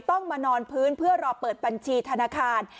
ต้องมานอนพื้นเพื่อรอเปิดบัญชีธนาคาร